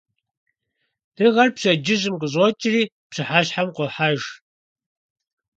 Дыгъэр пщэдджыжьым къыщӀокӀри пщыхьэщхьэм къуохьэж.